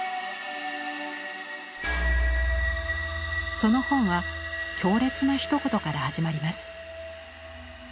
その本は強烈なひと言から始まります。